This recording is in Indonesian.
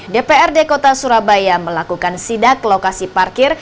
dprd kota surabaya melakukan sidak lokasi parkir